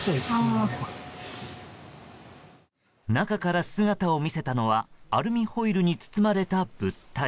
中から姿を見せたのはアルミホイルに包まれた物体。